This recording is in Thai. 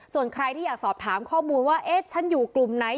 ส่วนใครที่อยากสอบถามข้อมูลว่าเอ๊ะฉันอยู่กลุ่มไหน